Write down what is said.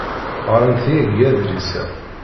Ɣrant yagi adlis-a.